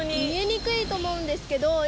見えにくいと思うんですけど